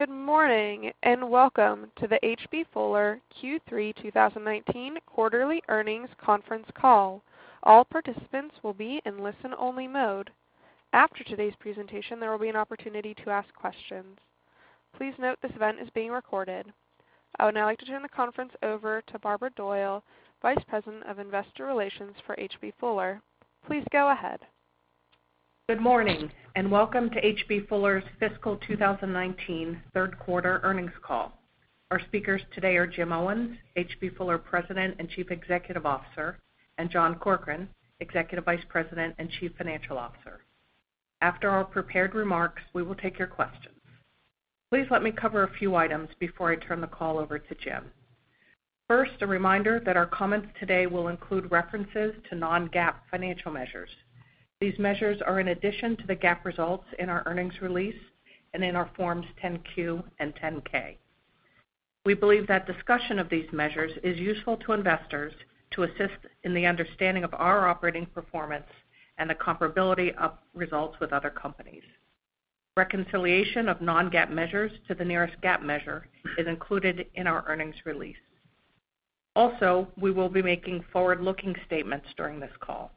Good morning, and welcome to the H.B. Fuller Q3 2019 quarterly earnings conference call. All participants will be in listen-only mode. After today's presentation, there will be an opportunity to ask questions. Please note this event is being recorded. I would now like to turn the conference over to Barbara Doyle, Vice President of Investor Relations for H.B. Fuller. Please go ahead. Good morning, and welcome to H.B. Fuller's fiscal 2019 third quarter earnings call. Our speakers today are Jim Owens, H.B. Fuller President and Chief Executive Officer, and John Corkrean, Executive Vice President and Chief Financial Officer. After our prepared remarks, we will take your questions. Please let me cover a few items before I turn the call over to Jim. First, a reminder that our comments today will include references to non-GAAP financial measures. These measures are in addition to the GAAP results in our earnings release and in our Forms 10-Q and 10-K. We believe that discussion of these measures is useful to investors to assist in the understanding of our operating performance and the comparability of results with other companies. Reconciliation of non-GAAP measures to the nearest GAAP measure is included in our earnings release. Also, we will be making forward-looking statements during this call.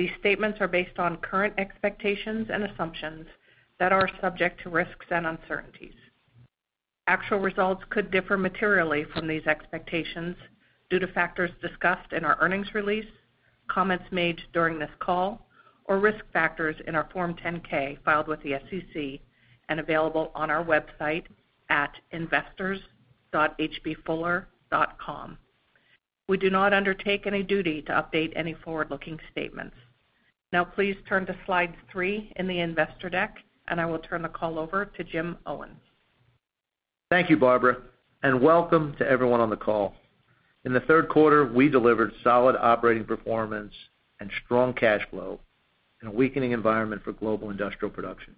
These statements are based on current expectations and assumptions that are subject to risks and uncertainties. Actual results could differ materially from these expectations due to factors discussed in our earnings release, comments made during this call, or risk factors in our Form 10-K filed with the SEC and available on our website at investors.hbfuller.com. We do not undertake any duty to update any forward-looking statements. Please turn to Slide three in the investor deck, and I will turn the call over to Jim Owens. Thank you, Barbara. Welcome to everyone on the call. In the third quarter, we delivered solid operating performance and strong cash flow in a weakening environment for global industrial production.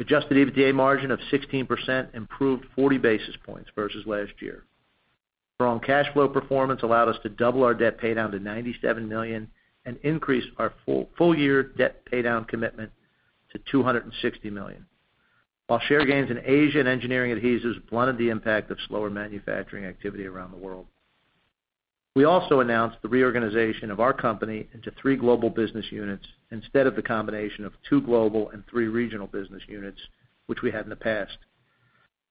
Adjusted EBITDA margin of 16% improved 40 basis points versus last year. Strong cash flow performance allowed us to double our debt paydown to $97 million and increase our full year debt paydown commitment to $260 million. While share gains in Asia and Engineering Adhesives blunted the impact of slower manufacturing activity around the world. We also announced the reorganization of our company into three Global Business Units instead of the combination of two global and three regional business units, which we had in the past.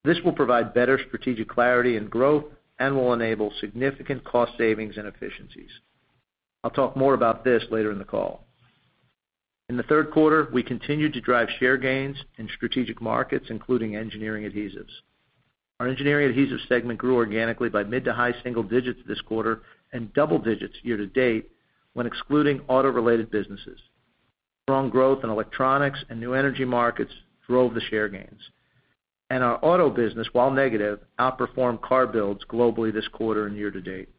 This will provide better strategic clarity and growth and will enable significant cost savings and efficiencies. I'll talk more about this later in the call. In the third quarter, we continued to drive share gains in strategic markets, including Engineering Adhesives. Our Engineering Adhesives segment grew organically by mid to high single digits this quarter and double digits year to date when excluding auto-related businesses. Strong growth in electronics and new energy markets drove the share gains. Our auto business, while negative, outperformed car builds globally this quarter and year to date.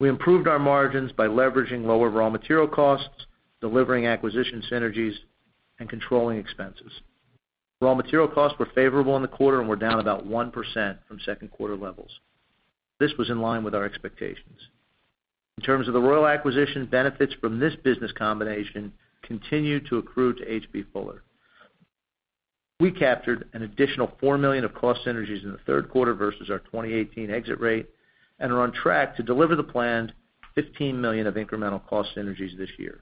We improved our margins by leveraging lower raw material costs, delivering acquisition synergies, and controlling expenses. Raw material costs were favorable in the quarter and were down about 1% from second quarter levels. This was in line with our expectations. In terms of the Royal acquisition, benefits from this business combination continued to accrue to H.B. Fuller. We captured an additional $4 million of cost synergies in the third quarter versus our 2018 exit rate and are on track to deliver the planned $15 million of incremental cost synergies this year.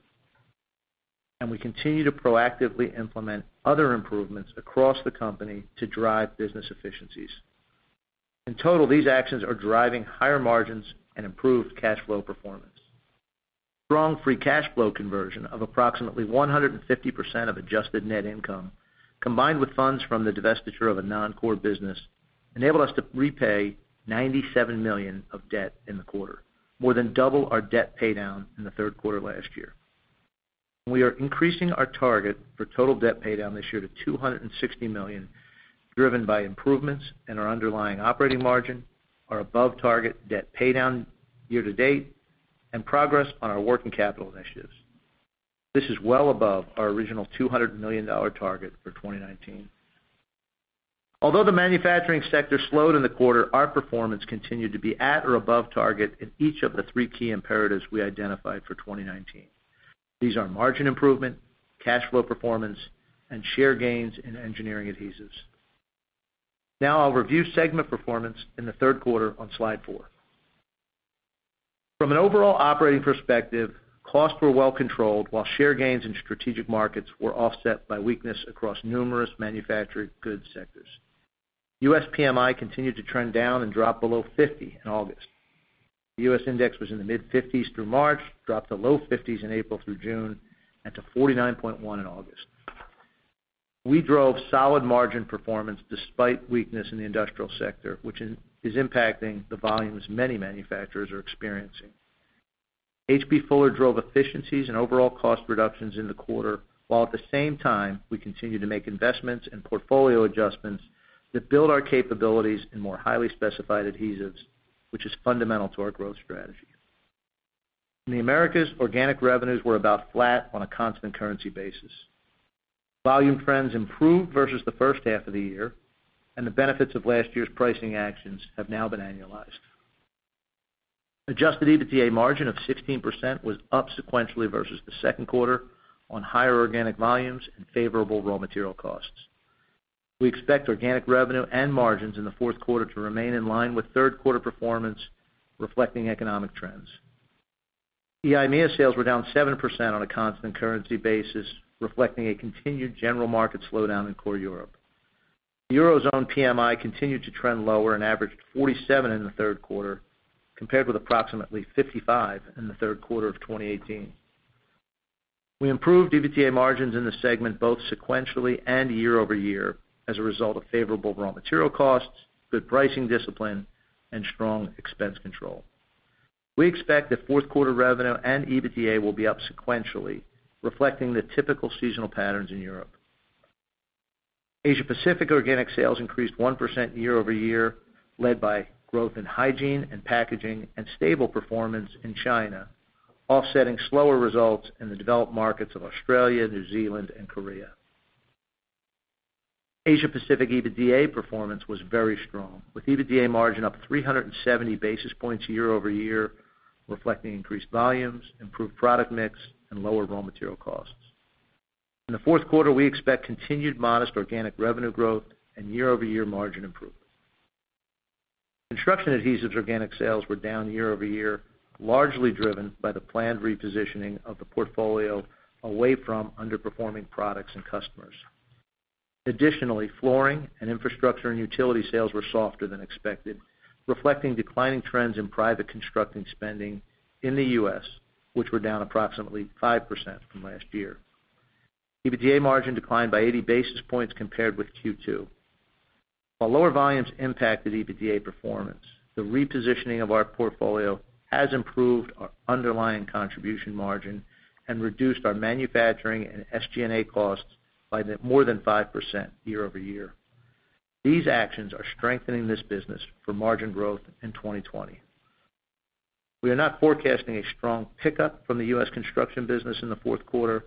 We continue to proactively implement other improvements across the company to drive business efficiencies. In total, these actions are driving higher margins and improved cash flow performance. Strong free cash flow conversion of approximately 150% of adjusted net income, combined with funds from the divestiture of a non-core business, enabled us to repay $97 million of debt in the quarter, more than double our debt paydown in the third quarter last year. We are increasing our target for total debt paydown this year to $260 million, driven by improvements in our underlying operating margin, our above target debt paydown year to date, and progress on our working capital initiatives. This is well above our original $200 million target for 2019. Although the manufacturing sector slowed in the quarter, our performance continued to be at or above target in each of the three key imperatives we identified for 2019. These are margin improvement, cash flow performance, and share gains in Engineering Adhesives. I'll review segment performance in the third quarter on Slide four. From an overall operating perspective, costs were well controlled while share gains in strategic markets were offset by weakness across numerous manufactured goods sectors. U.S. PMI continued to trend down and dropped below 50 in August. The U.S. index was in the mid-50s through March, dropped to low 50s in April through June, and to 49.1 in August. We drove solid margin performance despite weakness in the industrial sector, which is impacting the volumes many manufacturers are experiencing. H.B. Fuller drove efficiencies and overall cost reductions in the quarter, while at the same time, we continued to make investments and portfolio adjustments that build our capabilities in more highly specified adhesives, which is fundamental to our growth strategy. In the Americas, organic revenues were about flat on a constant currency basis. Volume trends improved versus the first half of the year, and the benefits of last year's pricing actions have now been annualized. Adjusted EBITDA margin of 16% was up sequentially versus the second quarter on higher organic volumes and favorable raw material costs. We expect organic revenue and margins in the fourth quarter to remain in line with third quarter performance, reflecting economic trends. EIMEA sales were down 7% on a constant currency basis, reflecting a continued general market slowdown in core Europe. Eurozone PMI continued to trend lower and averaged 47 in the third quarter, compared with approximately 55 in the third quarter of 2018. We improved EBITDA margins in the segment both sequentially and year-over-year as a result of favorable raw material costs, good pricing discipline, and strong expense control. We expect that fourth quarter revenue and EBITDA will be up sequentially, reflecting the typical seasonal patterns in Europe. Asia Pacific organic sales increased 1% year-over-year, led by growth in hygiene and packaging and stable performance in China, offsetting slower results in the developed markets of Australia, New Zealand, and Korea. Asia Pacific EBITDA performance was very strong, with EBITDA margin up 370 basis points year-over-year, reflecting increased volumes, improved product mix, and lower raw material costs. In the fourth quarter, we expect continued modest organic revenue growth and year-over-year margin improvement. Construction Adhesives organic sales were down year-over-year, largely driven by the planned repositioning of the portfolio away from underperforming products and customers. Additionally, flooring and infrastructure and utility sales were softer than expected, reflecting declining trends in private construction spending in the U.S., which were down approximately 5% from last year. EBITDA margin declined by 80 basis points compared with Q2. While lower volumes impacted EBITDA performance, the repositioning of our portfolio has improved our underlying contribution margin and reduced our manufacturing and SG&A costs by more than 5% year-over-year. These actions are strengthening this business for margin growth in 2020. We are not forecasting a strong pickup from the U.S. construction business in the fourth quarter.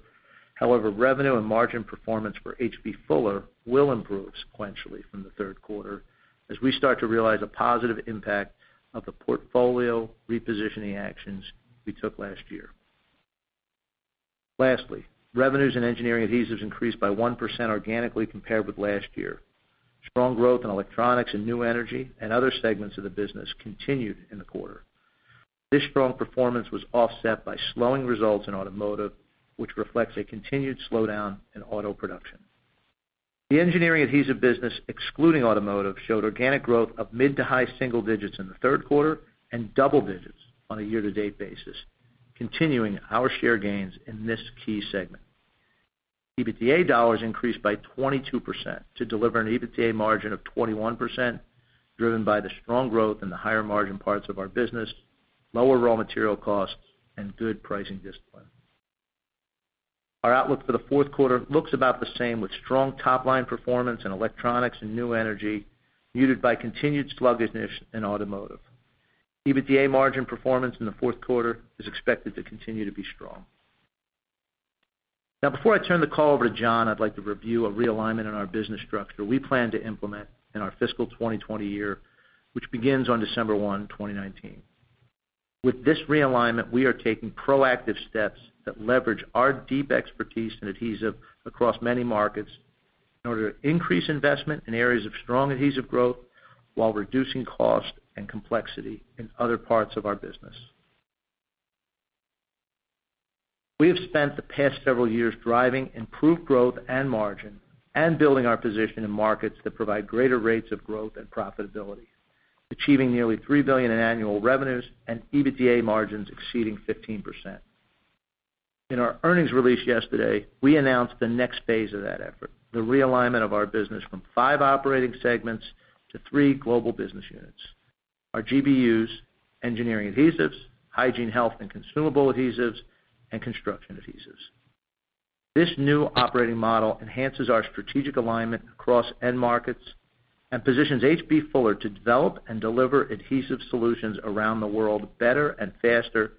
However, revenue and margin performance for H.B. Fuller will improve sequentially from the third quarter as we start to realize a positive impact of the portfolio repositioning actions we took last year. Lastly, revenues in Engineering Adhesives increased by 1% organically compared with last year. Strong growth in electronics and new energy and other segments of the business continued in the quarter. This strong performance was offset by slowing results in automotive, which reflects a continued slowdown in auto production. The Engineering Adhesives business, excluding automotive, showed organic growth of mid to high single digits in the third quarter and double digits on a year-to-date basis, continuing our share gains in this key segment. EBITDA dollars increased by 22% to deliver an EBITDA margin of 21%, driven by the strong growth in the higher margin parts of our business, lower raw material costs, and good pricing discipline. Our outlook for the fourth quarter looks about the same with strong top-line performance in electronics and new energy, muted by continued sluggishness in automotive. EBITDA margin performance in the fourth quarter is expected to continue to be strong. Before I turn the call over to John, I'd like to review a realignment in our business structure we plan to implement in our fiscal 2020 year, which begins on December 1, 2019. With this realignment, we are taking proactive steps that leverage our deep expertise in adhesives across many markets in order to increase investment in areas of strong adhesives growth while reducing cost and complexity in other parts of our business. We have spent the past several years driving improved growth and margin and building our position in markets that provide greater rates of growth and profitability, achieving nearly $3 billion in annual revenues and EBITDA margins exceeding 15%. In our earnings release yesterday, we announced the next phase of that effort, the realignment of our business from five operating segments to three Global Business Units, our GBUs, Engineering Adhesives, Hygiene, Health and Consumable Adhesives, and Construction Adhesives. This new operating model enhances our strategic alignment across end markets and positions H.B. Fuller to develop and deliver adhesive solutions around the world better and faster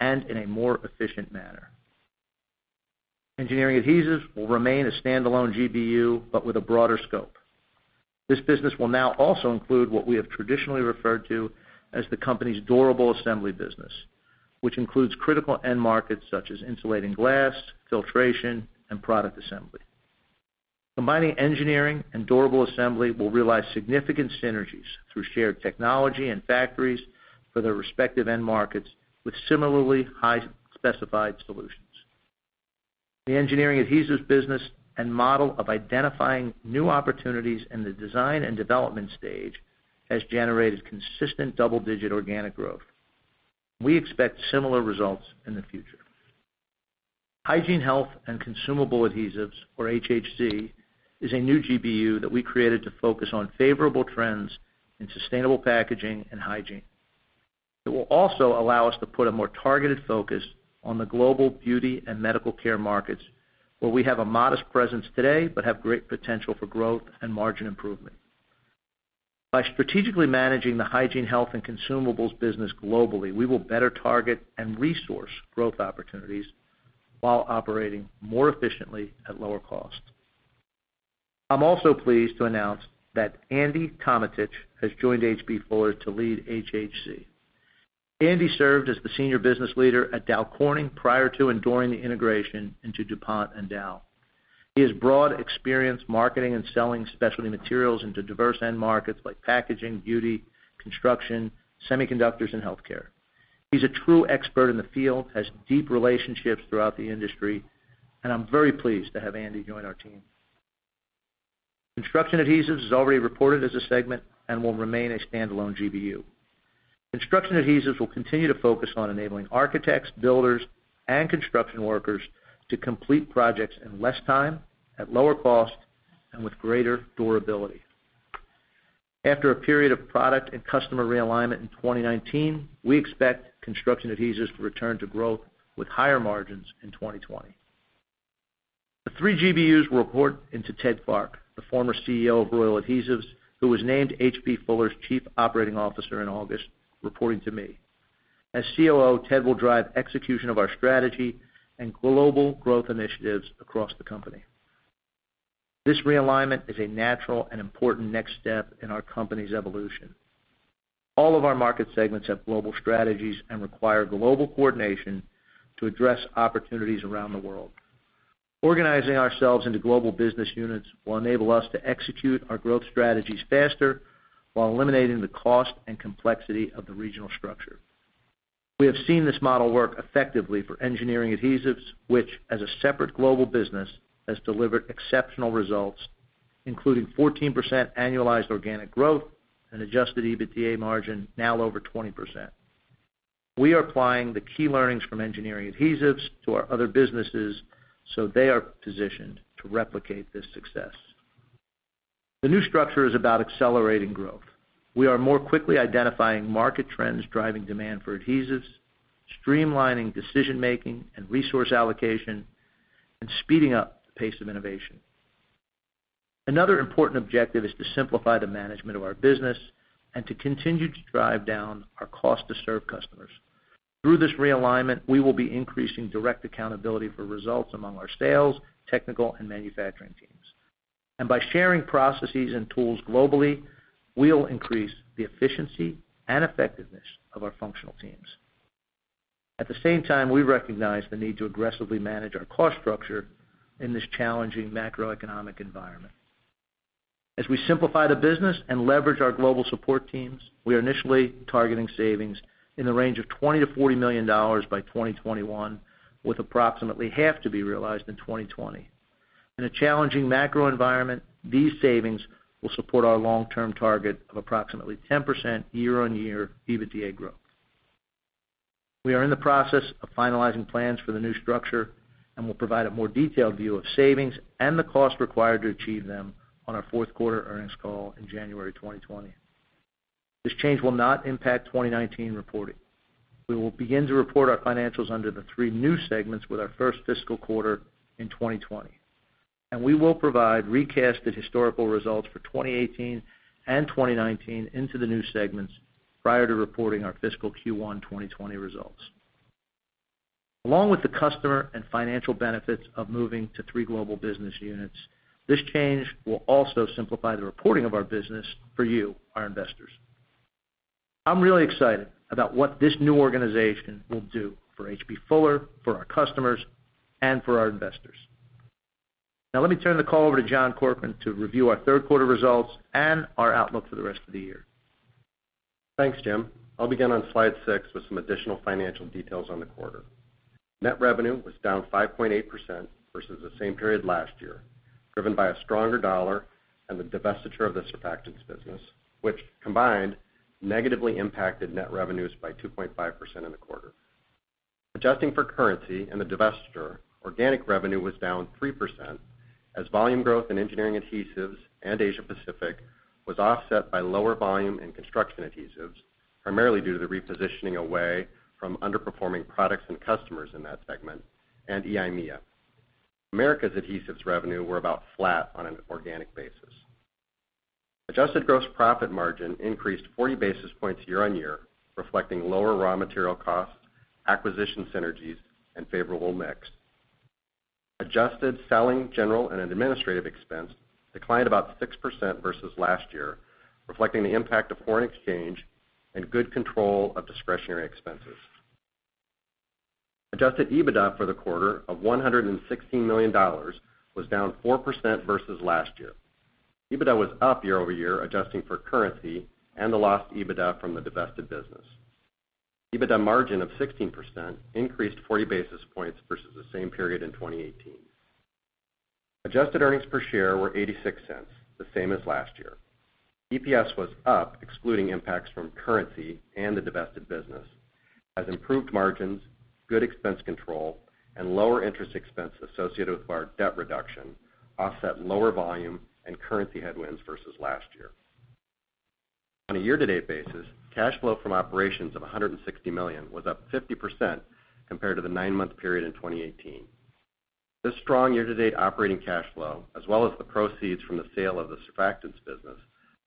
and in a more efficient manner. Engineering Adhesives will remain a standalone GBU, but with a broader scope. This business will now also include what we have traditionally referred to as the company's durable assembly business, which includes critical end markets such as insulating glass, filtration, and product assembly. Combining Engineering and durable assembly will realize significant synergies through shared technology and factories for their respective end markets with similarly high specified solutions. The Engineering Adhesives business and model of identifying new opportunities in the design and development stage has generated consistent double-digit organic growth. We expect similar results in the future. Hygiene, Health and Consumable Adhesives, or HHC, is a new GBU that we created to focus on favorable trends in sustainable packaging and hygiene. It will also allow us to put a more targeted focus on the global beauty and medical care markets, where we have a modest presence today, but have great potential for growth and margin improvement. By strategically managing the Hygiene, Health, and Consumables business globally, we will better target and resource growth opportunities while operating more efficiently at lower cost. I'm also pleased to announce that Andy Tometich has joined H.B. Fuller to lead HHC. Andy served as the senior business leader at Dow Corning prior to and during the integration into DuPont and Dow. He has broad experience marketing and selling specialty materials into diverse end markets like packaging, beauty, construction, semiconductors, and healthcare. He's a true expert in the field, has deep relationships throughout the industry, and I'm very pleased to have Andy join our team. Construction Adhesives is already reported as a segment and will remain a standalone GBU. Construction Adhesives will continue to focus on enabling architects, builders, and construction workers to complete projects in less time, at lower cost, and with greater durability. After a period of product and customer realignment in 2019, we expect Construction Adhesives to return to growth with higher margins in 2020. The 3 GBUs will report into Ted Clark, the former CEO of Royal Adhesives, who was named H.B. Fuller's Chief Operating Officer in August, reporting to me. As COO, Ted will drive execution of our strategy and global growth initiatives across the company. This realignment is a natural and important next step in our company's evolution. All of our market segments have global strategies and require global coordination to address opportunities around the world. Organizing ourselves into Global Business Units will enable us to execute our growth strategies faster while eliminating the cost and complexity of the regional structure. We have seen this model work effectively for Engineering Adhesives, which, as a separate global business, has delivered exceptional results, including 14% annualized organic growth and adjusted EBITDA margin now over 20%. We are applying the key learnings from Engineering Adhesives to our other businesses so they are positioned to replicate this success. The new structure is about accelerating growth. We are more quickly identifying market trends driving demand for adhesives, streamlining decision making and resource allocation, and speeding up the pace of innovation. Another important objective is to simplify the management of our business and to continue to drive down our cost to serve customers. Through this realignment, we will be increasing direct accountability for results among our sales, technical, and manufacturing teams. By sharing processes and tools globally, we will increase the efficiency and effectiveness of our functional teams. At the same time, we recognize the need to aggressively manage our cost structure in this challenging macroeconomic environment. As we simplify the business and leverage our global support teams, we are initially targeting savings in the range of $20 million-$40 million by 2021, with approximately half to be realized in 2020. In a challenging macro environment, these savings will support our long-term target of approximately 10% year-on-year EBITDA growth. We are in the process of finalizing plans for the new structure and will provide a more detailed view of savings and the cost required to achieve them on our fourth quarter earnings call in January 2020. This change will not impact 2019 reporting. We will begin to report our financials under the three new segments with our first fiscal quarter in 2020. We will provide recasted historical results for 2018 and 2019 into the new segments prior to reporting our fiscal Q1 2020 results. Along with the customer and financial benefits of moving to three Global Business Units, this change will also simplify the reporting of our business for you, our investors. I'm really excited about what this new organization will do for H.B. Fuller, for our customers, and for our investors. Now, let me turn the call over to John Corkrean to review our third quarter results and our outlook for the rest of the year. Thanks, Jim. I'll begin on slide six with some additional financial details on the quarter. Net revenue was down 5.8% versus the same period last year, driven by a stronger dollar and the divestiture of the Surfactants Business, which combined, negatively impacted net revenues by 2.5% in the quarter. Adjusting for currency and the divestiture, organic revenue was down 3% as volume growth in Engineering Adhesives and Asia Pacific was offset by lower volume in Construction Adhesives, primarily due to the repositioning away from underperforming products and customers in that segment and EIMEA. Americas adhesives revenue were about flat on an organic basis. Adjusted gross profit margin increased 40 basis points year-on-year, reflecting lower raw material costs, acquisition synergies, and favorable mix. Adjusted selling, general, and administrative expense declined about 6% versus last year, reflecting the impact of foreign exchange and good control of discretionary expenses. Adjusted EBITDA for the quarter of $116 million was down 4% versus last year. EBITDA was up year-over-year, adjusting for currency and the lost EBITDA from the divested business. EBITDA margin of 16% increased 40 basis points versus the same period in 2018. Adjusted earnings per share were $0.86, the same as last year. EPS was up, excluding impacts from currency and the divested business, as improved margins, good expense control, and lower interest expense associated with our debt reduction offset lower volume and currency headwinds versus last year. On a year-to-date basis, cash flow from operations of $160 million was up 50% compared to the nine-month period in 2018. This strong year-to-date operating cash flow, as well as the proceeds from the sale of the surfactants business,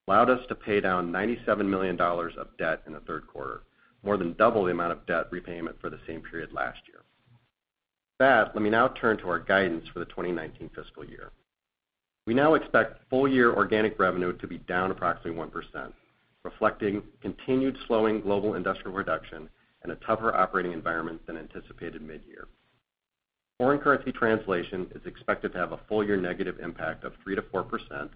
allowed us to pay down $97 million of debt in the third quarter, more than double the amount of debt repayment for the same period last year. Let me now turn to our guidance for the 2019 fiscal year. We now expect full-year organic revenue to be down approximately 1%, reflecting continued slowing global industrial production and a tougher operating environment than anticipated mid-year. Foreign currency translation is expected to have a full-year negative impact of 3%-4%,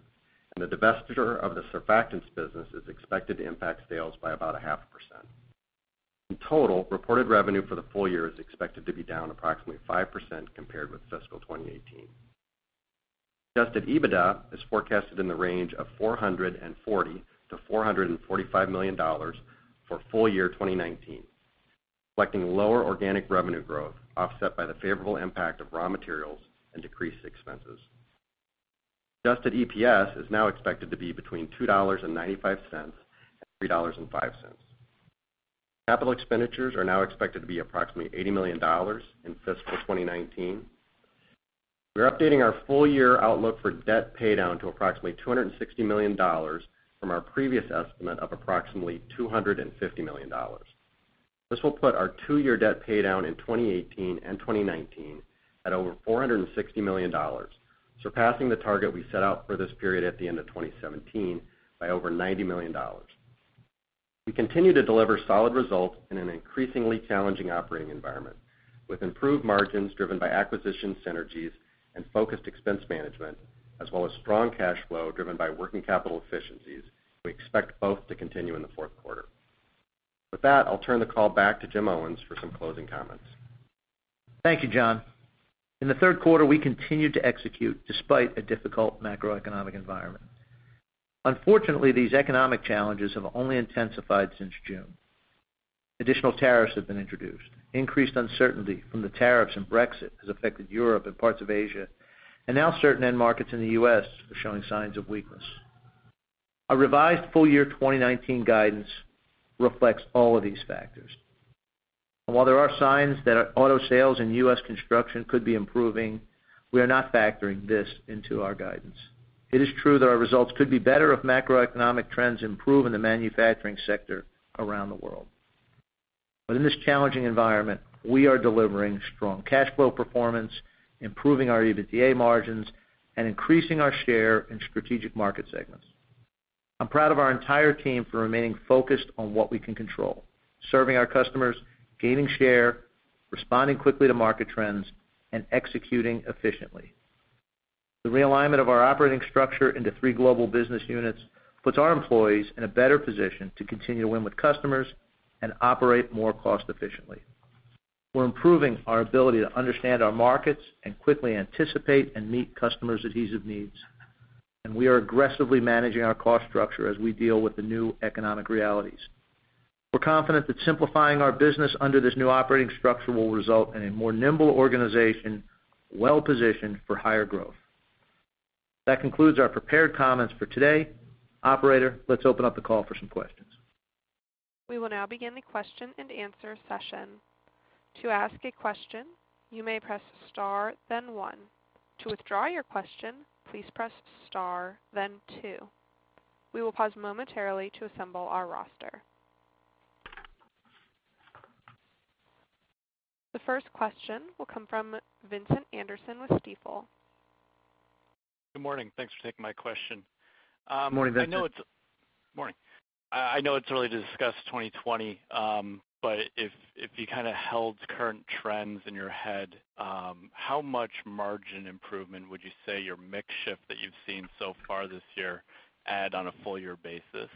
the divestiture of the surfactants business is expected to impact sales by about 0.5%. In total, reported revenue for the full year is expected to be down approximately 5% compared with fiscal 2018. Adjusted EBITDA is forecasted in the range of $440 million-$445 million for full year 2019, reflecting lower organic revenue growth offset by the favorable impact of raw materials and decreased expenses. Adjusted EPS is now expected to be between $2.95 and $3.05. Capital expenditures are now expected to be approximately $80 million in fiscal 2019. We are updating our full-year outlook for debt paydown to approximately $260 million from our previous estimate of approximately $250 million. This will put our two-year debt paydown in 2018 and 2019 at over $460 million, surpassing the target we set out for this period at the end of 2017 by over $90 million. We continue to deliver solid results in an increasingly challenging operating environment, with improved margins driven by acquisition synergies and focused expense management, as well as strong cash flow driven by working capital efficiencies. We expect both to continue in the fourth quarter. With that, I'll turn the call back to Jim Owens for some closing comments. Thank you, John. In the third quarter, we continued to execute despite a difficult macroeconomic environment. Unfortunately, these economic challenges have only intensified since June. Additional tariffs have been introduced. Increased uncertainty from the tariffs and Brexit has affected Europe and parts of Asia, and now certain end markets in the U.S. are showing signs of weakness. Our revised full year 2019 guidance reflects all of these factors. While there are signs that auto sales and U.S. construction could be improving, we are not factoring this into our guidance. It is true that our results could be better if macroeconomic trends improve in the manufacturing sector around the world. In this challenging environment, we are delivering strong cash flow performance, improving our EBITDA margins, and increasing our share in strategic market segments. I'm proud of our entire team for remaining focused on what we can control, serving our customers, gaining share, responding quickly to market trends, and executing efficiently. The realignment of our operating structure into three global business units puts our employees in a better position to continue to win with customers and operate more cost efficiently. We're improving our ability to understand our markets and quickly anticipate and meet customers' adhesive needs. We are aggressively managing our cost structure as we deal with the new economic realities. We're confident that simplifying our business under this new operating structure will result in a more nimble organization, well-positioned for higher growth. That concludes our prepared comments for today. Operator, let's open up the call for some questions. We will now begin the question and answer session. To ask a question, you may press star then one. To withdraw your question, please press star then two. We will pause momentarily to assemble our roster. The first question will come from Vincent Anderson with Stifel. Good morning. Thanks for taking my question. Good morning, Vincent. Morning. I know it's early to discuss 2020, if you held current trends in your head, how much margin improvement would you say your mix shift that you've seen so far this year add on a full year basis?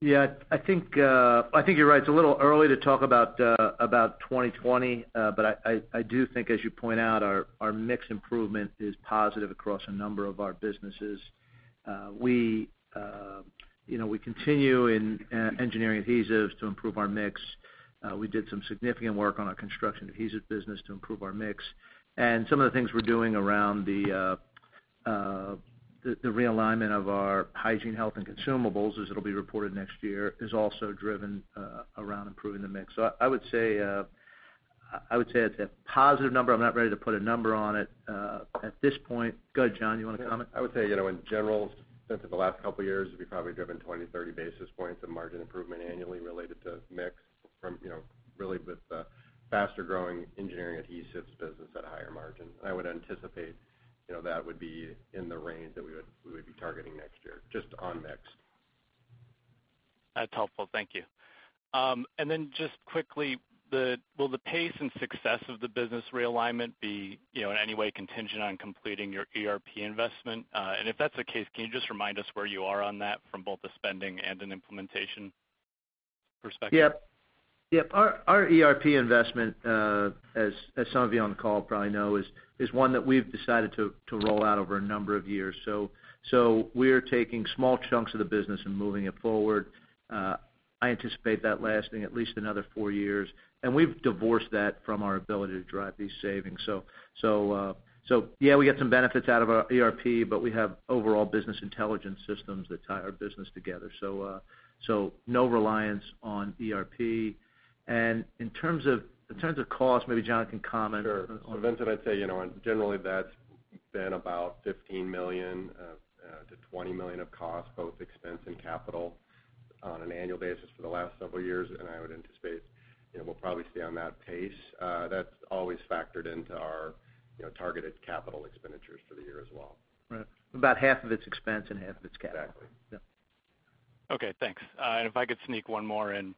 Yeah. I think you're right. It's a little early to talk about 2020. I do think, as you point out, our mix improvement is positive across a number of our businesses. We continue in Engineering Adhesives to improve our mix. We did some significant work on our Construction Adhesives business to improve our mix. Some of the things we're doing around the realignment of our Hygiene, Health and Consumable Adhesives, as it'll be reported next year, is also driven around improving the mix. I would say it's a positive number. I'm not ready to put a number on it at this point. Go ahead, John. You want to comment? I would say, in general, since the last couple of years, we've probably driven 20, 30 basis points of margin improvement annually related to mix from, really with the faster-growing Engineering Adhesives business at a higher margin. I would anticipate that would be in the range that we would be targeting next year, just on mix. That's helpful. Thank you. Then just quickly, will the pace and success of the business realignment be in any way contingent on completing your ERP investment? If that's the case, can you just remind us where you are on that from both the spending and an implementation perspective? Yep. Our ERP investment, as some of you on the call probably know, is one that we've decided to roll out over a number of years. We're taking small chunks of the business and moving it forward. I anticipate that lasting at least another 4 years, and we've divorced that from our ability to drive these savings. Yeah, we get some benefits out of our ERP, but we have overall business intelligence systems that tie our business together. No reliance on ERP. In terms of cost, maybe John can comment. Sure. Vincent, I'd say, in general, that's. been about $15 million-$20 million of cost, both expense and capital, on an annual basis for the last several years. I would anticipate we'll probably stay on that pace. That's always factored into our targeted capital expenditures for the year as well. Right. About half of it's expense and half of it's capital. Exactly. Yeah. Okay, thanks. If I could sneak one more in.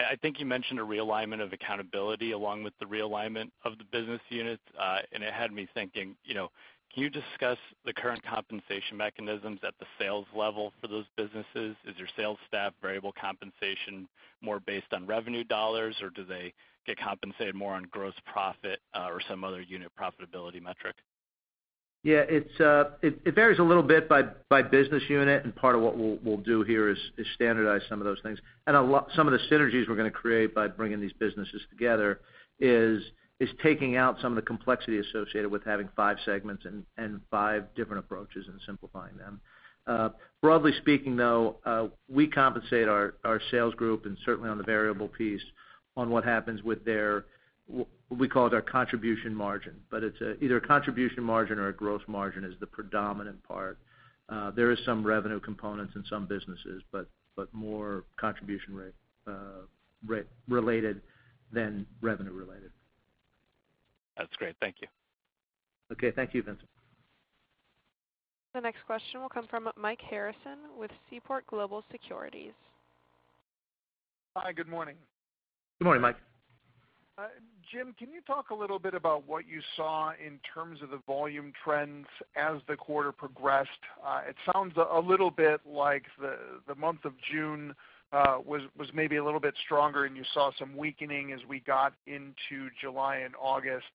I think you mentioned a realignment of accountability along with the realignment of the business units. It had me thinking, can you discuss the current compensation mechanisms at the sales level for those businesses? Is your sales staff variable compensation more based on revenue dollars, or do they get compensated more on gross profit or some other unit profitability metric? Yeah. It varies a little bit by business unit. Part of what we'll do here is standardize some of those things. Some of the synergies we're going to create by bringing these businesses together is taking out some of the complexity associated with having five segments and five different approaches and simplifying them. Broadly speaking, though, we compensate our sales group, and certainly on the variable piece, on what happens with their, we call it our contribution margin, but it's either a contribution margin or a gross margin is the predominant part. There is some revenue components in some businesses, but more contribution related than revenue related. That's great. Thank you. Okay. Thank you, Vincent. The next question will come from Mike Harrison with Seaport Global Securities. Hi. Good morning. Good morning, Mike. Jim, can you talk a little bit about what you saw in terms of the volume trends as the quarter progressed? It sounds a little bit like the month of June was maybe a little bit stronger, and you saw some weakening as we got into July and August.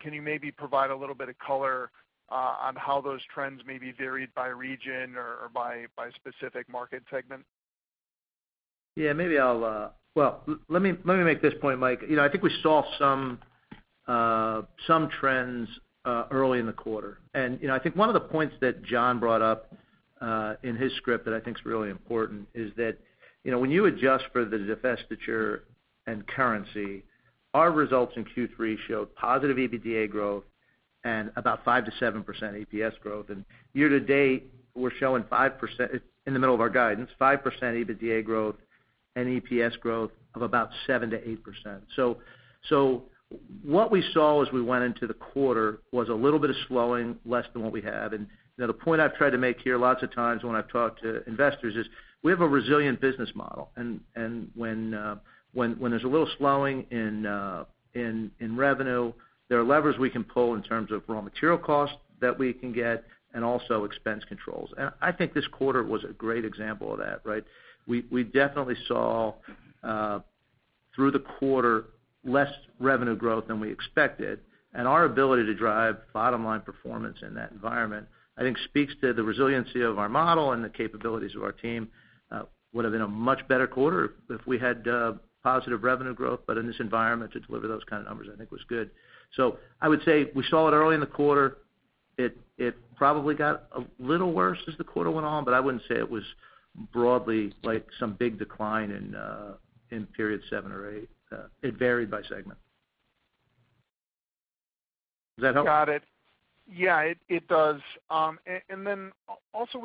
Can you maybe provide a little bit of color on how those trends may be varied by region or by specific market segment? Yeah. Well, let me make this point, Mike. I think we saw some trends early in the quarter. I think one of the points that John brought up in his script that I think is really important is that when you adjust for the divestiture and currency, our results in Q3 showed positive EBITDA growth and about 5%-7% EPS growth. Year to date, we're showing 5% in the middle of our guidance, 5% EBITDA growth and EPS growth of about 7%-8%. What we saw as we went into the quarter was a little bit of slowing, less than what we had. The point I've tried to make here lots of times when I've talked to investors is we have a resilient business model, and when there's a little slowing in revenue, there are levers we can pull in terms of raw material costs that we can get, and also expense controls. I think this quarter was a great example of that. We definitely saw through the quarter less revenue growth than we expected, and our ability to drive bottom-line performance in that environment, I think, speaks to the resiliency of our model and the capabilities of our team. Would've been a much better quarter if we had positive revenue growth, but in this environment to deliver those kind of numbers, I think was good. I would say we saw it early in the quarter. It probably got a little worse as the quarter went on, but I wouldn't say it was broadly like some big decline in period seven or eight. It varied by segment. Does that help? Got it. Yeah, it does. Also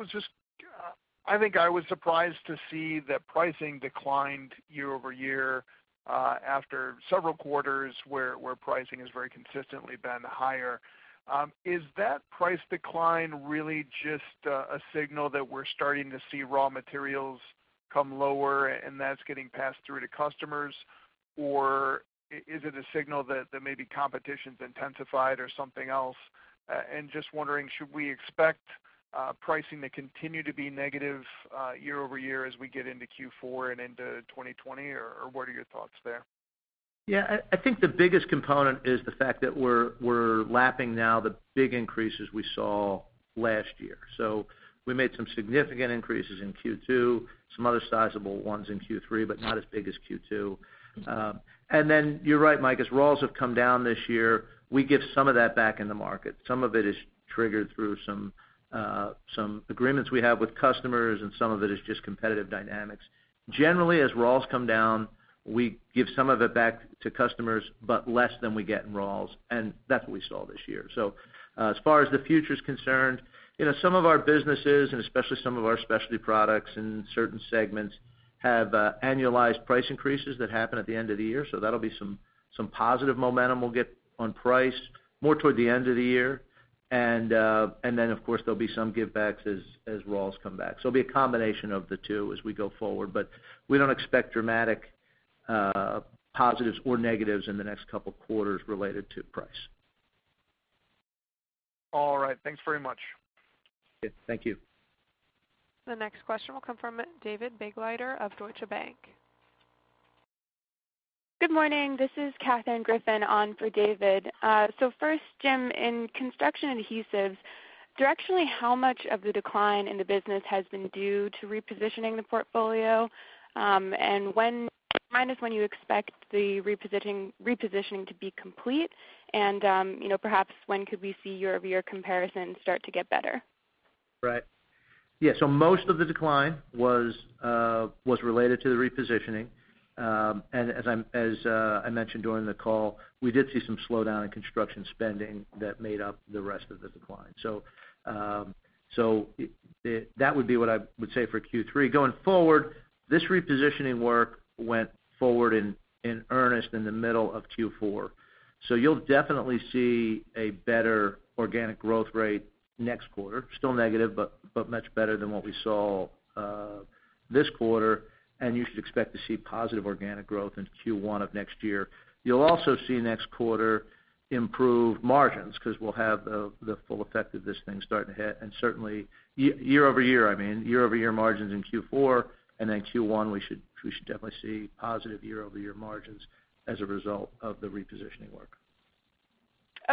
I think I was surprised to see that pricing declined year-over-year after several quarters where pricing has very consistently been higher. Is that price decline really just a signal that we're starting to see raw materials come lower and that's getting passed through to customers, or is it a signal that maybe competition's intensified or something else? Just wondering, should we expect pricing to continue to be negative year-over-year as we get into Q4 and into 2020, or what are your thoughts there? I think the biggest component is the fact that we're lapping now the big increases we saw last year. We made some significant increases in Q2, some other sizable ones in Q3, but not as big as Q2. You're right, Mike, as raws have come down this year, we give some of that back in the market. Some of it is triggered through some agreements we have with customers, and some of it is just competitive dynamics. Generally, as raws come down, we give some of it back to customers, but less than we get in raws, and that's what we saw this year. As far as the future's concerned, some of our businesses, and especially some of our specialty products in certain segments, have annualized price increases that happen at the end of the year. That'll be some positive momentum we'll get on price more toward the end of the year. Of course, there'll be some give backs as raws come back. It'll be a combination of the two as we go forward, but we don't expect dramatic positives or negatives in the next couple quarters related to price. All right. Thanks very much. Okay. Thank you. The next question will come from David Begleiter of Deutsche Bank. Good morning. This is Katherine Griffin on for David. First, Jim, in Construction Adhesives, directionally, how much of the decline in the business has been due to repositioning the portfolio? When do you expect the repositioning to be complete? Perhaps when could we see year-over-year comparison start to get better? Right. Yeah, most of the decline was related to the repositioning. As I mentioned during the call, we did see some slowdown in construction spending that made up the rest of the decline. That would be what I would say for Q3. Going forward, this repositioning work went forward in earnest in the middle of Q4. You'll definitely see a better organic growth rate next quarter. Still negative, but much better than what we saw this quarter, and you should expect to see positive organic growth into Q1 of next year. You'll also see next quarter improved margins, because we'll have the full effect of this thing starting to hit, year-over-year margins in Q4, and then Q1, we should definitely see positive year-over-year margins as a result of the repositioning work.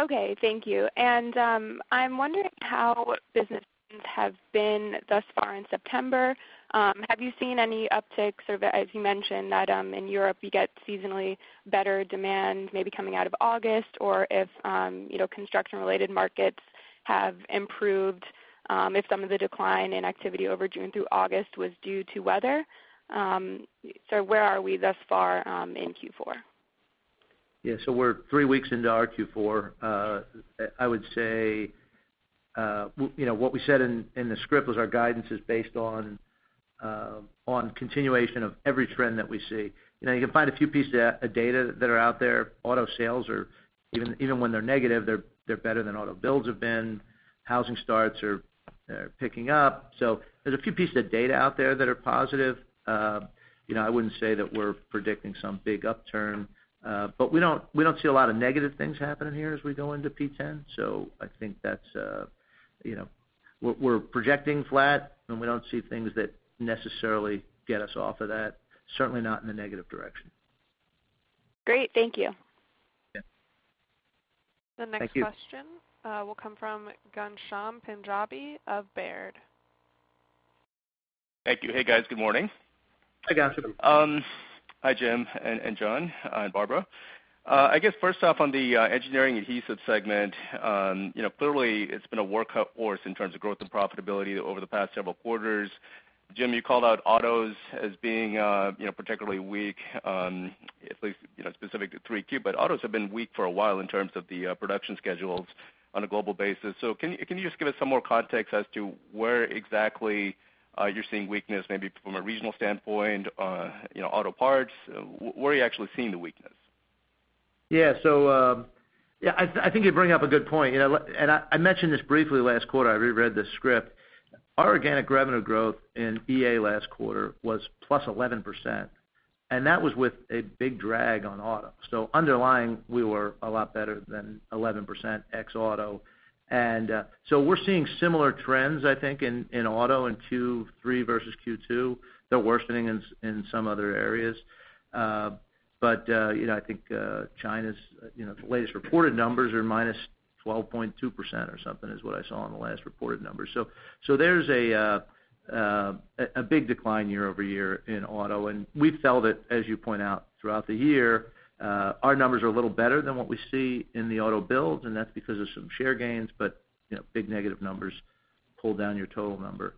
Okay, thank you. I'm wondering how businesses have been thus far in September. Have you seen any upticks, or as you mentioned, that in Europe you get seasonally better demand maybe coming out of August, or if construction-related markets have improved, if some of the decline in activity over June through August was due to weather? Where are we thus far in Q4? Yeah, we're three weeks into our Q4. I would say, what we said in the script was our guidance is based on continuation of every trend that we see. You can find a few pieces of data that are out there. Auto sales are, even when they're negative, they're better than auto builds have been. Housing starts are picking up. There's a few pieces of data out there that are positive. I wouldn't say that we're predicting some big upturn. We don't see a lot of negative things happening here as we go into P10. I think we're projecting flat, and we don't see things that necessarily get us off of that, certainly not in a negative direction. Great. Thank you. Yeah. The next question will come from Ghansham Panjabi of Baird. Thank you. Hey, guys. Good morning. Hi, Ghansham. Hi, Jim and John and Barbara. I guess first off, on the Engineering Adhesives segment, clearly it's been a workhorse in terms of growth and profitability over the past several quarters. Jim, you called out autos as being particularly weak, at least specific to 3Q. Autos have been weak for a while in terms of the production schedules on a global basis. Can you just give us some more context as to where exactly you're seeing weakness, maybe from a regional standpoint, auto parts? Where are you actually seeing the weakness? Yeah. I think you bring up a good point. I mentioned this briefly last quarter. I reread the script. Our organic revenue growth in EA last quarter was +11%, that was with a big drag on auto. Underlying, we were a lot better than 11% ex auto. We're seeing similar trends, I think, in auto in Q3 versus Q2, though worsening in some other areas. I think China's latest reported numbers are -12.2% or something, is what I saw on the last reported numbers. There's a big decline year-over-year in auto, and we've felt it, as you point out, throughout the year. Our numbers are a little better than what we see in the auto builds, and that's because of some share gains, but big negative numbers pull down your total number.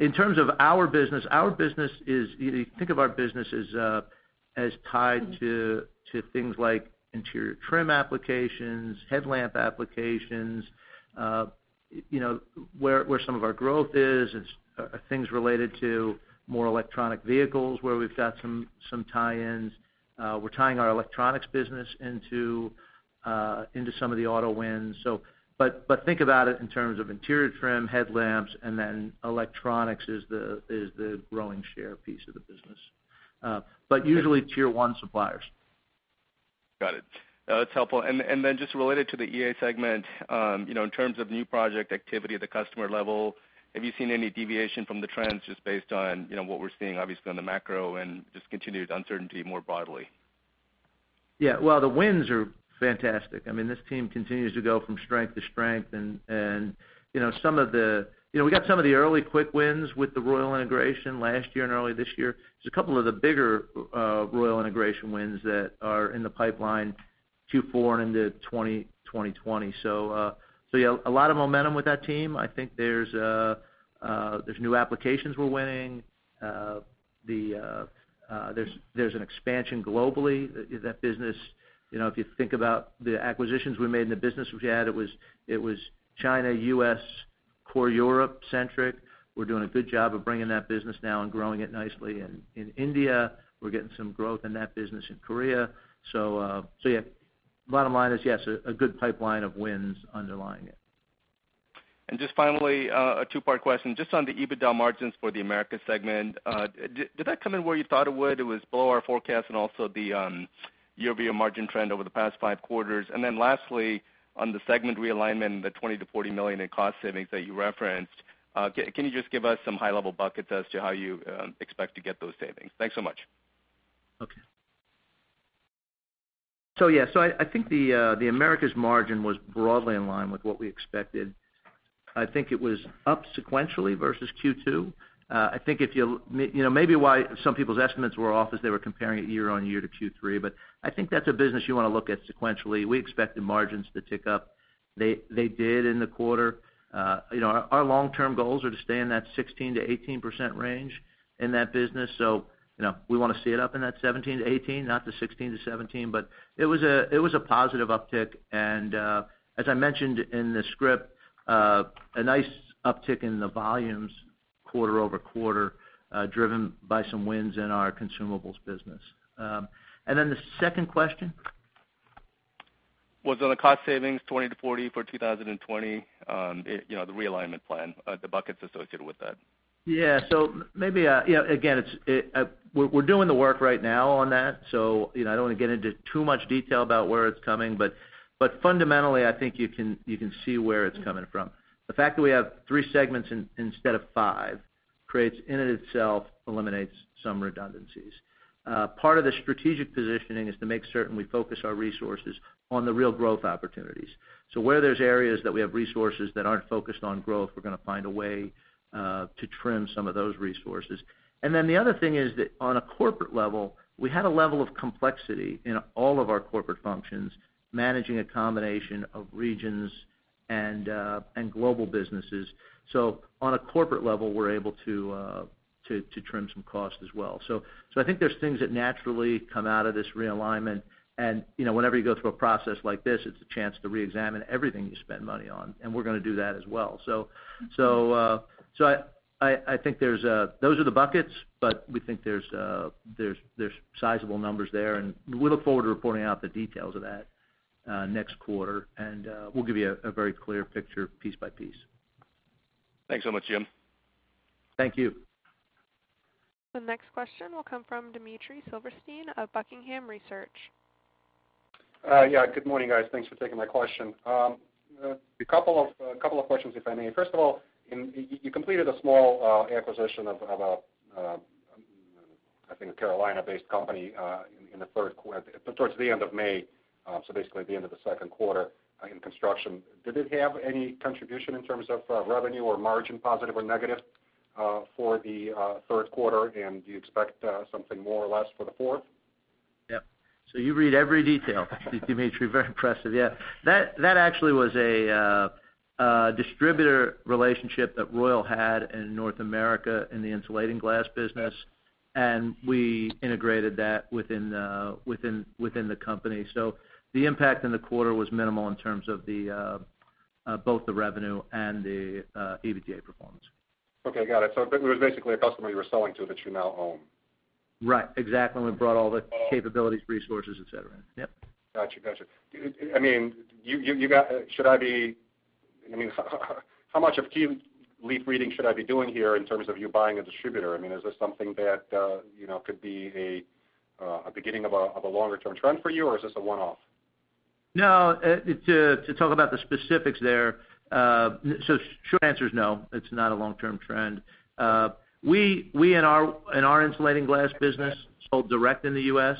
In terms of our business, think of our business as tied to things like interior trim applications, headlamp applications. Where some of our growth is, it's things related to more electronic vehicles where we've got some tie-ins. We're tying our electronics business into some of the auto wins. Think about it in terms of interior trim, headlamps, and then electronics is the growing share piece of the business. Usually Tier 1 suppliers. Got it. No, that's helpful. Then just related to the EA segment, in terms of new project activity at the customer level, have you seen any deviation from the trends just based on what we're seeing, obviously, on the macro and just continued uncertainty more broadly? Yeah. Well, the wins are fantastic. This team continues to go from strength to strength. We got some of the early quick wins with the Royal integration last year and early this year. There's a couple of the bigger Royal integration wins that are in the pipeline Q4 and into 2020. Yeah, a lot of momentum with that team. I think there's new applications we're winning. There's an expansion globally in that business. If you think about the acquisitions we made and the business we've had, it was China, U.S., core Europe centric. We're doing a good job of bringing that business now and growing it nicely. In India, we're getting some growth in that business, in Korea. Yeah. Bottom line is, yes, a good pipeline of wins underlying it. Just finally, a two-part question. Just on the EBITDA margins for the Americas segment, did that come in where you thought it would? It was below our forecast and also the year-over-year margin trend over the past five quarters. Then lastly, on the segment realignment and the $20 million-$40 million in cost savings that you referenced, can you just give us some high-level buckets as to how you expect to get those savings? Thanks so much. I think the Americas margin was broadly in line with what we expected. I think it was up sequentially versus Q2. Maybe why some people's estimates were off is they were comparing it year-on-year to Q3. I think that's a business you want to look at sequentially. We expected margins to tick up. They did in the quarter. Our long-term goals are to stay in that 16%-18% range in that business. We want to see it up in that 17%-18%, not the 16%-17%. It was a positive uptick, and as I mentioned in the script, a nice uptick in the volumes quarter-over-quarter, driven by some wins in our consumables business. The second question? Was on the cost savings, $20-$40 for 2020, the realignment plan, the buckets associated with that. Yeah. Maybe, again, we're doing the work right now on that. I don't want to get into too much detail about where it's coming, but fundamentally, I think you can see where it's coming from. The fact that we have three segments instead of five creates, in and itself, eliminates some redundancies. Part of the strategic positioning is to make certain we focus our resources on the real growth opportunities. Where there's areas that we have resources that aren't focused on growth, we're going to find a way to trim some of those resources. The other thing is that on a corporate level, we had a level of complexity in all of our corporate functions, managing a combination of regions and global businesses. On a corporate level, we're able to trim some costs as well. I think there's things that naturally come out of this realignment, and whenever you go through a process like this, it's a chance to reexamine everything you spend money on, and we're going to do that as well. I think those are the buckets, but we think there's sizable numbers there, and we look forward to reporting out the details of that next quarter, and we'll give you a very clear picture piece by piece. Thanks so much, Jim. Thank you. The next question will come from Dmitry Silverstein of Buckingham Research. Good morning guys. Thanks for taking my question. A couple of questions, if I may. First of all, you completed a small acquisition of, I think, a Carolina-based company towards the end of May. Basically at the end of the second quarter in Construction. Did it have any contribution in terms of revenue or margin, positive or negative for the third quarter? Do you expect something more or less for the fourth? Yep. You read every detail, Dmitry. Very impressive. Yeah. That actually was a distributor relationship that Royal had in North America in the insulating glass business, and we integrated that within the company. The impact in the quarter was minimal in terms of both the revenue and the EBITDA performance. Okay, got it. It was basically a customer you were selling to that you now own. Right. Exactly. We brought all the capabilities, resources, et cetera. Yep. Got you. How much of tea leaf reading should I be doing here in terms of you buying a distributor? Is this something that could be a beginning of a longer-term trend for you, or is this a one-off? No. To talk about the specifics there, short answer is no, it's not a long-term trend. We, in our insulating glass business, sold direct in the U.S.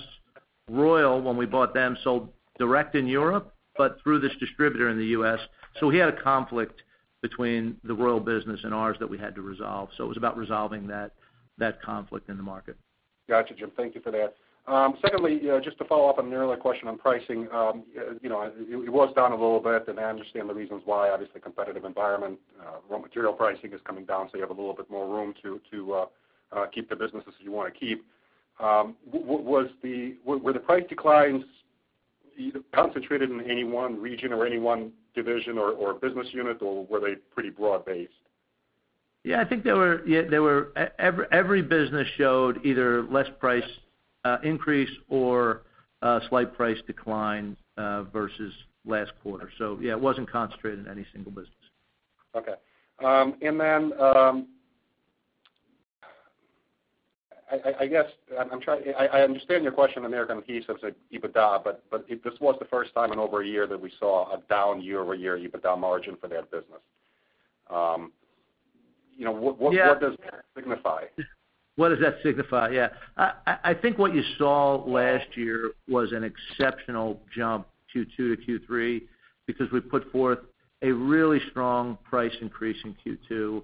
Royal, when we bought them, sold direct in Europe, but through this distributor in the U.S. We had a conflict between the Royal business and ours that we had to resolve. It was about resolving that conflict in the market. Got you, Jim. Thank you for that. Just to follow up on an earlier question on pricing. It was down a little bit, and I understand the reasons why. Obviously, competitive environment, raw material pricing is coming down, so you have a little bit more room to keep the businesses you want to keep. Were the price declines either concentrated in any one region or any one division or business unit, or were they pretty broad-based? Yeah, I think every business showed either less price increase or a slight price decline versus last quarter. Yeah, it wasn't concentrated in any single business. Okay. I understand your question on Americas as an EBITDA. This was the first time in over a year that we saw a down year-over-year EBITDA margin for that business. What does that signify? What does that signify? Yeah. I think what you saw last year was an exceptional jump, Q2 to Q3, because we put forth a really strong price increase in Q2.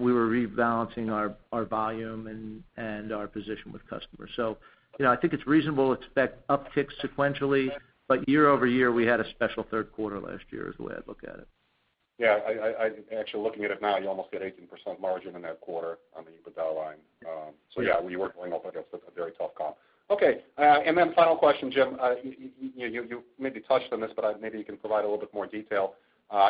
We were rebalancing our volume and our position with customers. I think it's reasonable to expect upticks sequentially, but year-over-year, we had a special third quarter last year, is the way I'd look at it. Yeah. Actually looking at it now, you almost hit 18% margin in that quarter on the EBITDA line. Yeah, you were going up against a very tough comp. Okay. Final question, Jim. You maybe touched on this. Maybe you can provide a little bit more detail.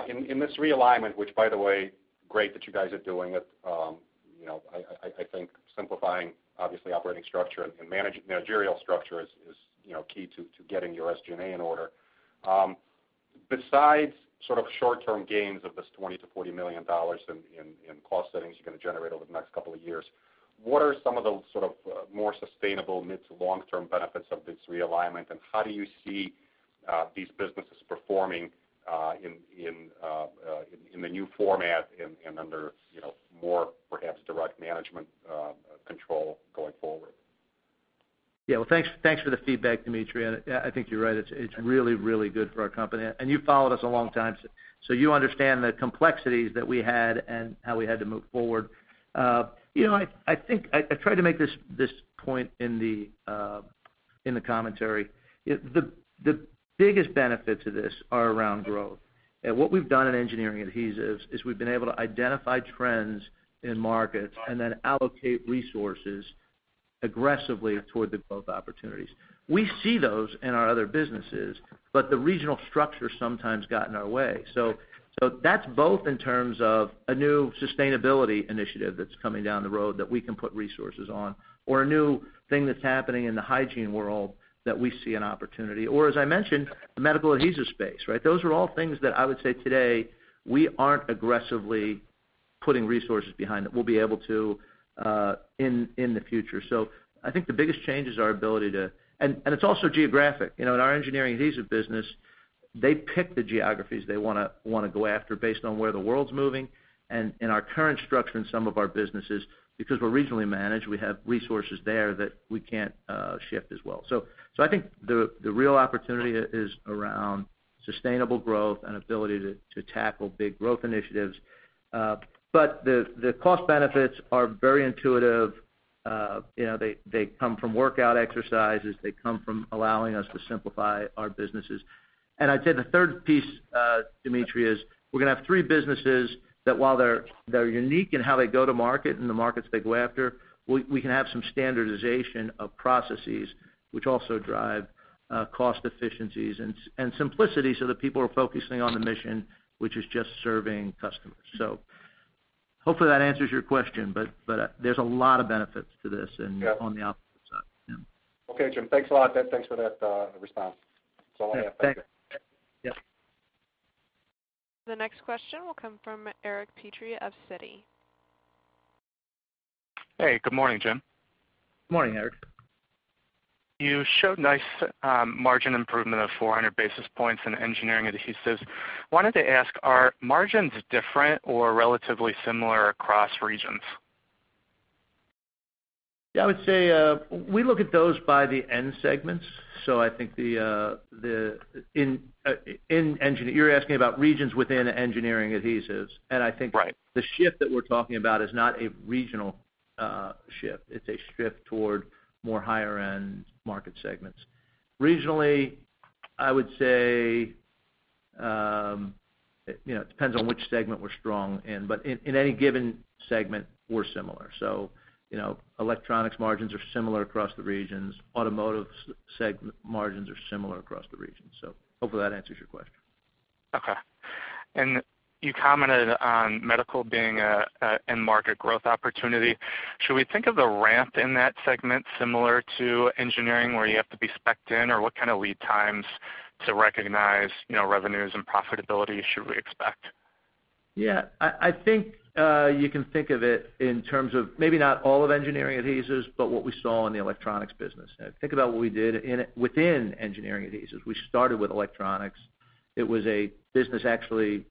In this realignment, which, by the way, great that you guys are doing it. I think simplifying, obviously, operating structure and managerial structure is key to getting your SG&A in order. Besides short-term gains of this $20 million-$40 million in cost savings you're going to generate over the next couple of years, what are some of the more sustainable mid-to-long-term benefits of this realignment, and how do you see these businesses performing in the new format and under more perhaps direct management control going forward? Well, thanks for the feedback, Dmitry, I think you're right. It's really, really good for our company. You've followed us a long time, you understand the complexities that we had and how we had to move forward. I tried to make this point in the commentary. The biggest benefit to this are around growth. What we've done in Engineering Adhesives is we've been able to identify trends in markets then allocate resources aggressively toward the growth opportunities. We see those in our other businesses, the regional structure sometimes got in our way. That's both in terms of a new sustainability initiative that's coming down the road that we can put resources on, a new thing that's happening in the hygiene world that we see an opportunity, as I mentioned, the medical adhesive space, right? Those are all things that I would say today we aren't aggressively putting resources behind, that we'll be able to in the future. I think the biggest change. It's also geographic. In our Engineering Adhesives business, they pick the geographies they want to go after based on where the world's moving, and our current structure in some of our businesses, because we're regionally managed, we have resources there that we can't shift as well. I think the real opportunity is around sustainable growth and ability to tackle big growth initiatives. The cost benefits are very intuitive. They come from workout exercises. They come from allowing us to simplify our businesses. I'd say the third piece, Dmitry, is we're going to have three businesses that while they're unique in how they go to market and the markets they go after, we can have some standardization of processes which also drive cost efficiencies and simplicity so that people are focusing on the mission, which is just serving customers. Hopefully that answers your question, but there's a lot of benefits to this on the output side. Yeah. Okay, Jim. Thanks a lot. Thanks for that response. That's all I have. Thanks. Yeah. The next question will come from Eric Petrie of Citi. Hey, good morning, Jim. Morning, Eric. You showed nice margin improvement of 400 basis points in Engineering Adhesives. I wanted to ask, are margins different or relatively similar across regions? Yeah, I would say, we look at those by the end segments. I think you're asking about regions within Engineering Adhesives. Right the shift that we're talking about is not a regional shift. It's a shift toward more higher-end market segments. Regionally, I would say, it depends on which segment we're strong in, but in any given segment, we're similar. Electronics margins are similar across the regions. Automotive margins are similar across the regions. Hopefully that answers your question. Okay. You commented on medical being an end market growth opportunity. Should we think of the ramp in that segment similar to engineering, where you have to be specced in, or what kind of lead times to recognize revenues and profitability should we expect? Yeah, I think you can think of it in terms of maybe not all of Engineering Adhesives, but what we saw in the electronics business. Think about what we did within Engineering Adhesives. We started with electronics. It was a business, actually,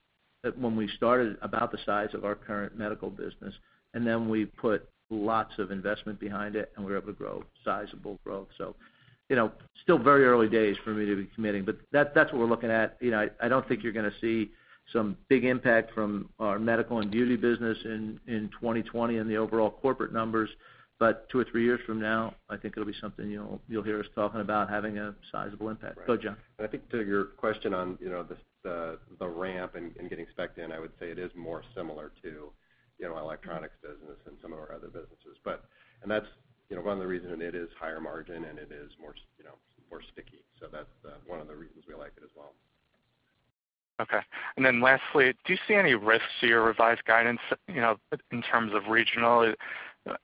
when we started, about the size of our current medical business, and then we put lots of investment behind it, and we were able to grow, sizable growth. Still very early days for me to be committing, but that's what we're looking at. I don't think you're going to see some big impact from our medical and beauty business in 2020 in the overall corporate numbers. Two or three years from now, I think it'll be something you'll hear us talking about having a sizable impact. Go, John. I think to your question on the ramp and getting specced in, I would say it is more similar to electronics business than some of our other businesses. That's one of the reasons, and it is higher margin, and it is more sticky. That's one of the reasons we like it as well. Okay. Lastly, do you see any risks to your revised guidance, in terms of regional?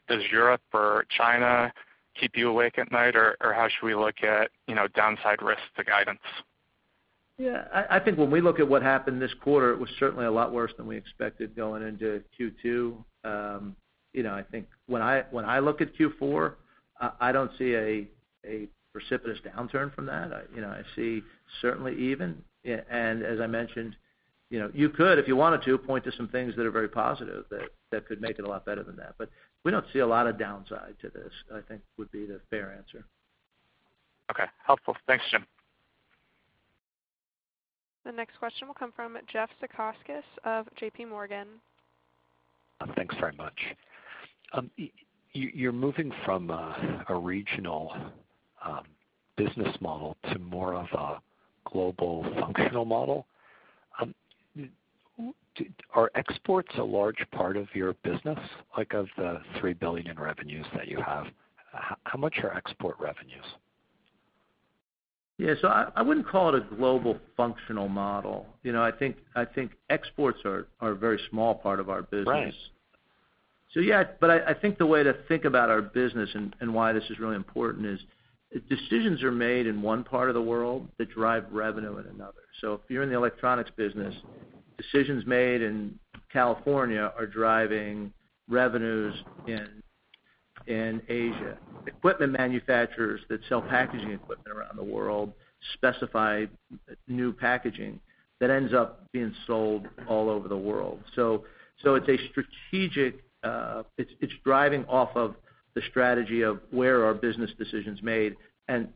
Does Europe or China keep you awake at night, or how should we look at downside risks to guidance? I think when we look at what happened this quarter, it was certainly a lot worse than we expected going into Q2. I think when I look at Q4, I don't see a precipitous downturn from that. I see certainly even. As I mentioned, you could, if you wanted to, point to some things that are very positive that could make it a lot better than that. We don't see a lot of downside to this, I think would be the fair answer. Okay. Helpful. Thanks, Jim. The next question will come from Jeff Zekauskas of JPMorgan. Thanks very much. You're moving from a regional business model to more of a global functional model. Are exports a large part of your business, like of the $3 billion revenues that you have, how much are export revenues? Yeah. I wouldn't call it a global functional model. I think exports are a very small part of our business. Right. Yeah. I think the way to think about our business and why this is really important is, decisions are made in one part of the world that drive revenue in another. If you're in the electronics business, decisions made in California are driving revenues in Asia. Equipment manufacturers that sell packaging equipment around the world specify new packaging that ends up being sold all over the world. It's driving off of the strategy of where are business decisions made.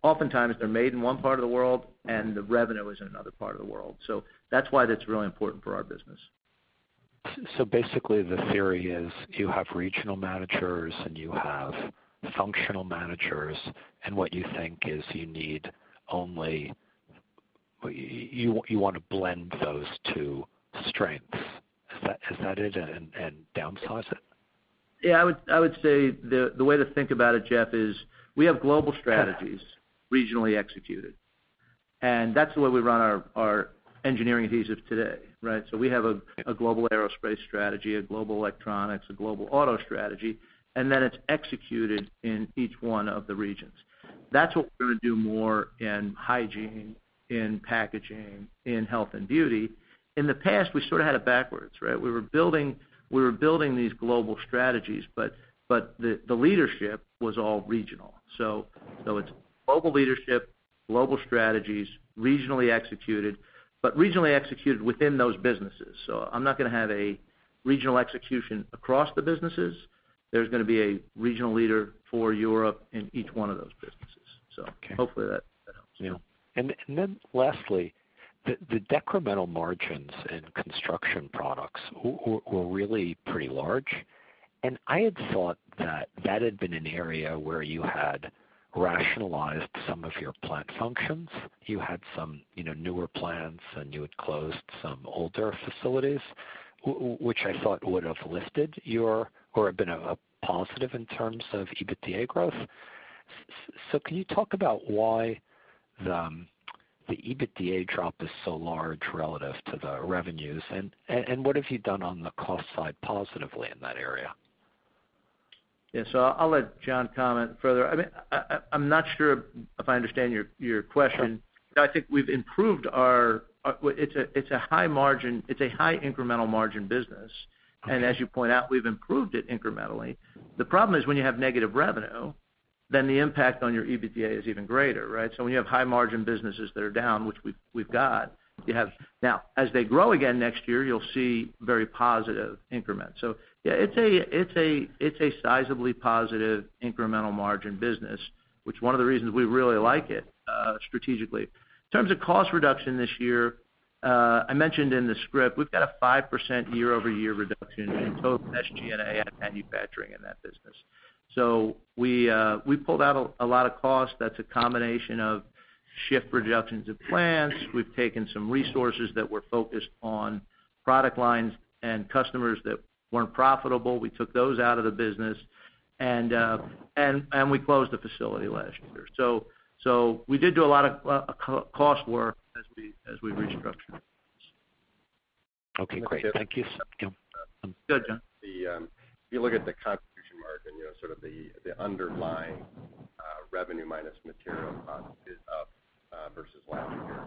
Oftentimes, they're made in one part of the world, and the revenue is in another part of the world. That's why that's really important for our business. The theory is you have regional managers and you have functional managers, and what you think is You want to blend those two strengths. Is that it? Downsize it? Yeah, I would say the way to think about it, Jeff, is we have global strategies regionally executed, and that's the way we run our Engineering Adhesives today, right? We have a global aerospace strategy, a global electronics, a global auto strategy, and then it's executed in each one of the regions. That's what we're going to do more in Hygiene, in packaging, in health and beauty. In the past, we sort of had it backwards, right? We were building these global strategies, but the leadership was all regional. It's global leadership, global strategies, regionally executed, but regionally executed within those businesses. I'm not going to have a regional execution across the businesses. There's going to be a regional leader for Europe in each one of those businesses. Hopefully that helps. Yeah. Lastly, the decremental margins in Construction Adhesives were really pretty large, and I had thought that had been an area where you had rationalized some of your plant functions. You had some newer plants, and you had closed some older facilities, which I thought would have lifted your, or been a positive in terms of EBITDA growth. Can you talk about why the EBITDA drop is so large relative to the revenues, and what have you done on the cost side positively in that area? I'll let John comment further. I'm not sure if I understand your question. I think we've improved. It's a high incremental margin business, and as you point out, we've improved it incrementally. The problem is when you have negative revenue, then the impact on your EBITDA is even greater, right? When you have high margin businesses that are down, which we've got, now as they grow again next year, you'll see very positive increments. Yeah, it's a sizably positive incremental margin business, which is one of the reasons we really like it strategically. In terms of cost reduction this year, I mentioned in the script, we've got a 5% year-over-year reduction in total SG&A and manufacturing in that business. We pulled out a lot of costs. That's a combination of shift reductions at plants. We've taken some resources that were focused on product lines and customers that weren't profitable. We took those out of the business, and we closed a facility last year. We did do a lot of cost work as we restructured. Okay, great. Thank you. Go, John. If you look at the contribution margin, sort of the underlying revenue minus material cost is up versus last year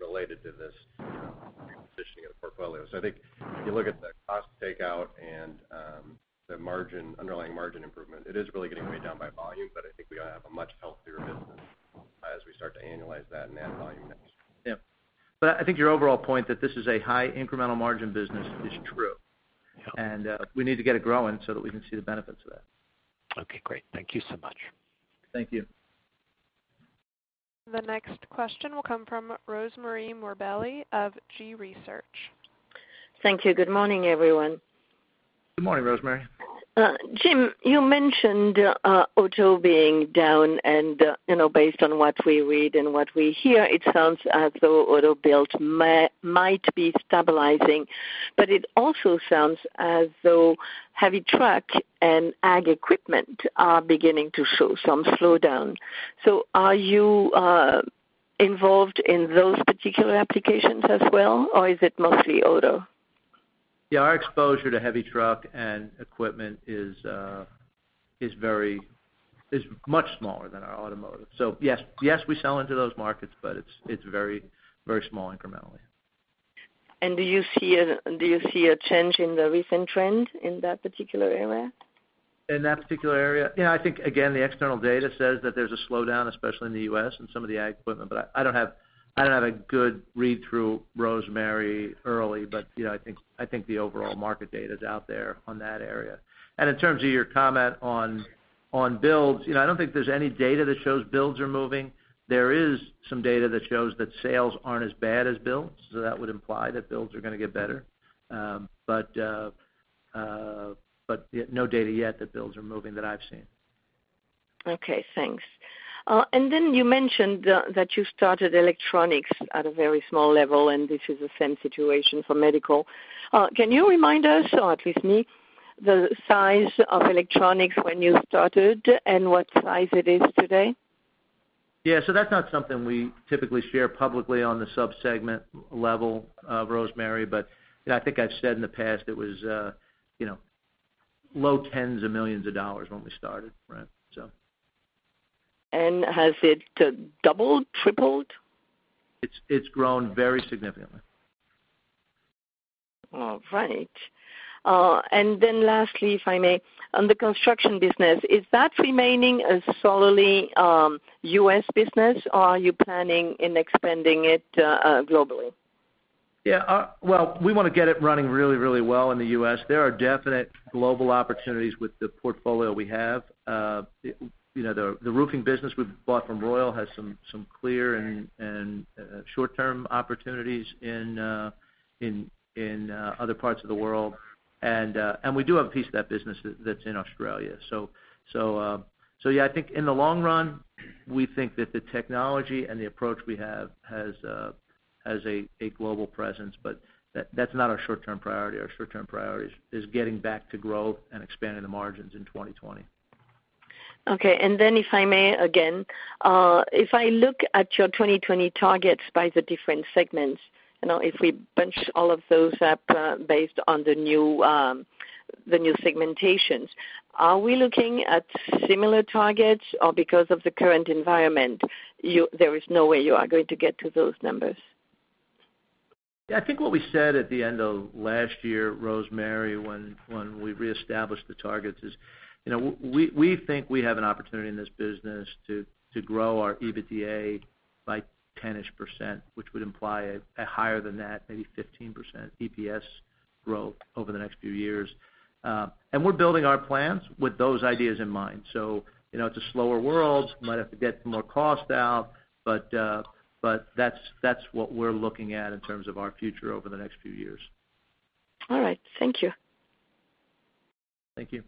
related to this repositioning of the portfolio. I think if you look at the cost takeout and the underlying margin improvement, it is really getting weighed down by volume, but I think we have a much healthier business as we start to annualize that and add volume next year. Yeah. I think your overall point that this is a high incremental margin business is true. Yeah. We need to get it growing so that we can see the benefits of that. Okay, great. Thank you so much. Thank you. The next question will come from Rosemarie Morbelli of G. Research. Thank you. Good morning, everyone. Good morning, Rosemarie. Jim, you mentioned auto being down, and based on what we read and what we hear, it sounds as though auto build might be stabilizing, but it also sounds as though heavy truck and ag equipment are beginning to show some slowdown. Are you involved in those particular applications as well, or is it mostly auto? Our exposure to heavy truck and equipment is much smaller than our automotive. Yes, we sell into those markets, but it's very small incrementally. Do you see a change in the recent trend in that particular area? In that particular area. Yeah, I think, again, the external data says that there's a slowdown, especially in the U.S. and some of the ag equipment, but I don't have a good read through, Rosemarie, early, but I think the overall market data is out there on that area. In terms of your comment on builds, I don't think there's any data that shows builds are moving. There is some data that shows that sales aren't as bad as builds, so that would imply that builds are going to get better. No data yet that builds are moving that I've seen. Okay, thanks. You mentioned that you started electronics at a very small level, and this is the same situation for medical. Can you remind us, or at least me, the size of electronics when you started and what size it is today? Yeah. That's not something we typically share publicly on the sub-segment level, Rosemarie, but I think I've said in the past it was low tens of millions of dollars when we started, right? Has it doubled? Tripled? It's grown very significantly. All right. Then lastly, if I may, on the Construction business, is that remaining a solely U.S. business, or are you planning in expanding it globally? Yeah. Well, we want to get it running really, really well in the U.S. There are definite global opportunities with the portfolio we have. The roofing business we bought from Royal has some clear and short-term opportunities in other parts of the world. We do have a piece of that business that's in Australia. Yeah, I think in the long run, we think that the technology and the approach we have has a global presence, but that's not our short-term priority. Our short-term priority is getting back to growth and expanding the margins in 2020. Okay. If I may, again, if I look at your 2020 targets by the different segments, if we bunch all of those up based on the new segmentations, are we looking at similar targets? Because of the current environment, there is no way you are going to get to those numbers? Yeah, I think what we said at the end of last year, Rosemarie, when we reestablished the targets is, we think we have an opportunity in this business to grow our EBITDA by 10-ish%, which would imply a higher than that, maybe 15% EPS growth over the next few years. We're building our plans with those ideas in mind. It's a slower world, might have to get more cost out, but that's what we're looking at in terms of our future over the next few years. All right. Thank you. Thank you.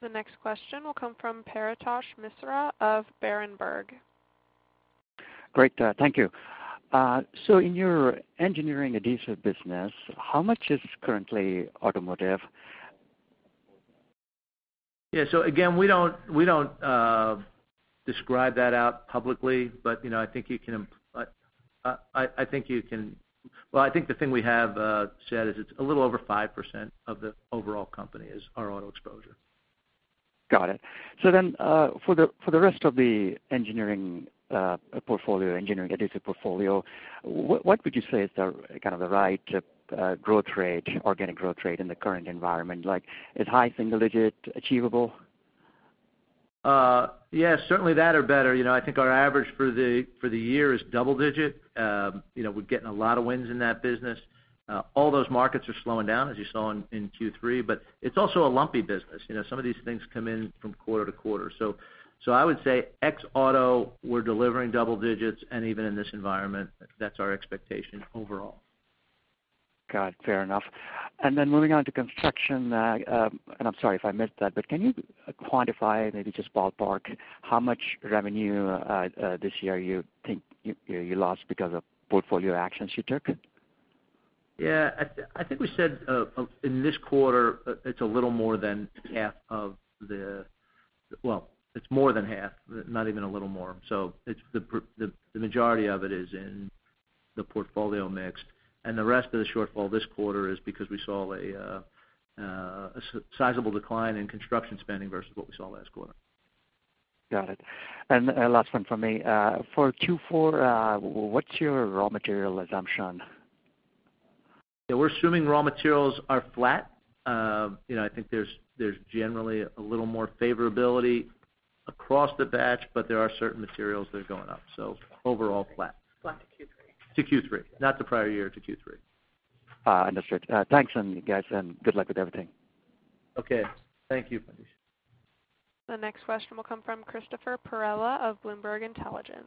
The next question will come from Paretosh Misra of Berenberg. Great. Thank you. In your Engineering Adhesives business, how much is currently automotive? Yeah. Again, we don't describe that out publicly, but I think the thing we have said is it's a little over 5% of the overall company is our auto exposure. Got it. For the rest of the Engineering Adhesives portfolio, what would you say is the right growth rate, organic growth rate in the current environment? Like is high single digit achievable? Yeah, certainly that or better. I think our average for the year is double digit. We're getting a lot of wins in that business. All those markets are slowing down, as you saw in Q3, but it's also a lumpy business. Some of these things come in from quarter to quarter. I would say ex auto, we're delivering double digits, and even in this environment, that's our expectation overall. Got it. Fair enough. Moving on to Construction, and I'm sorry if I missed that, but can you quantify, maybe just ballpark, how much revenue this year you think you lost because of portfolio actions you took? Yeah. I think we said, in this quarter, it's more than half, not even a little more. The majority of it is in the portfolio mix, and the rest of the shortfall this quarter is because we saw a sizable decline in construction spending versus what we saw last quarter. Got it. Last one from me. For Q4, what's your raw material assumption? Yeah, we're assuming raw materials are flat. I think there's generally a little more favorability across the batch, but there are certain materials that are going up. Overall flat. Flat to Q3. To Q3. Not the prior year to Q3. Understood. Thanks guys, and good luck with everything. Okay. Thank you, Paretosh. The next question will come from Christopher Perrella of Bloomberg Intelligence.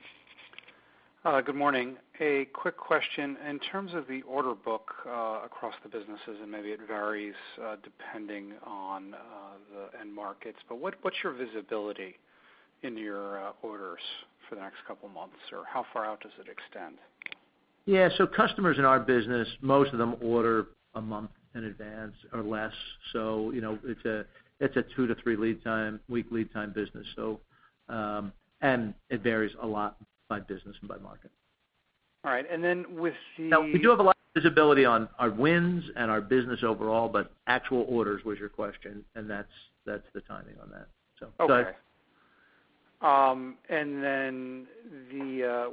Good morning. A quick question. In terms of the order book across the businesses, and maybe it varies depending on the end markets, but what's your visibility in your orders for the next couple of months? How far out does it extend? Yeah. Customers in our business, most of them order a month in advance or less. It's a two to three week lead time business. It varies a lot by business and by market. All right. Now we do have a lot of visibility on our wins and our business overall, but actual orders was your question, and that's the timing on that. Okay.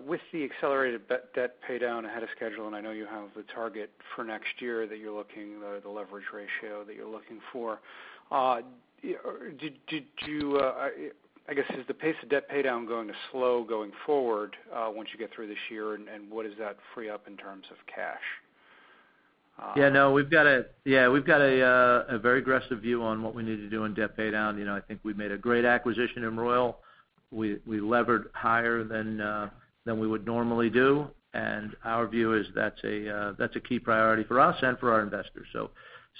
With the accelerated debt pay down ahead of schedule, and I know you have the target for next year that you're looking, the leverage ratio that you're looking for. I guess, is the pace of debt pay down going to slow going forward, once you get through this year, and what does that free up in terms of cash? Yeah, we've got a very aggressive view on what we need to do on debt pay down. I think we made a great acquisition in Royal. We levered higher than we would normally do, and our view is that's a key priority for us and for our investors.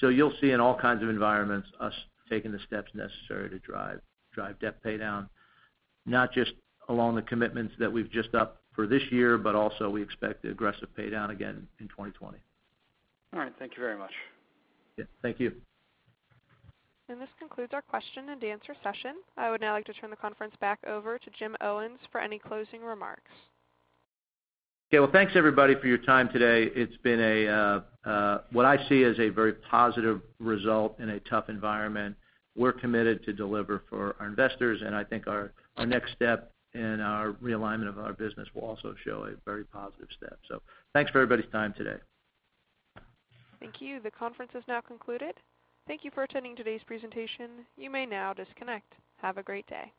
You'll see in all kinds of environments us taking the steps necessary to drive debt pay down, not just along the commitments that we've just up for this year, but also we expect aggressive pay down again in 2020. All right. Thank you very much. Yeah. Thank you. This concludes our question and answer session. I would now like to turn the conference back over to Jim Owens for any closing remarks. Okay. Well, thanks everybody for your time today. It's been what I see as a very positive result in a tough environment. We're committed to deliver for our investors, and I think our next step in our realignment of our business will also show a very positive step. Thanks for everybody's time today. Thank you. The conference is now concluded. Thank you for attending today's presentation. You may now disconnect. Have a great day.